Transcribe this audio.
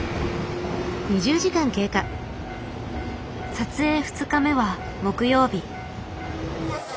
撮影２日目は木曜日。